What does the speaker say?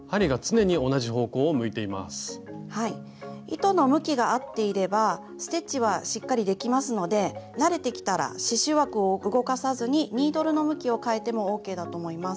糸の向きが合っていればステッチはしっかりできますので慣れてきたら刺しゅう枠を動かさずにニードルの向きを変えてもＯＫだと思います。